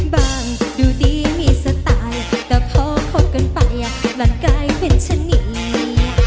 บางดูดีมีสไตล์แต่พอครบกันไปหลังกายเป็นชะนี